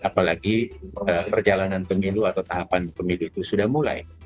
apalagi perjalanan pemilu atau tahapan pemilu itu sudah mulai